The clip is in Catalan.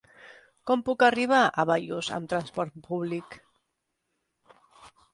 Com puc arribar a Bellús amb transport públic?